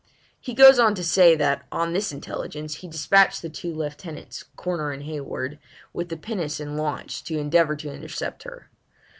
He goes on to say that, on this intelligence, he despatched the two lieutenants, Corner and Hayward, with the pinnace and launch, to endeavour to intercept her.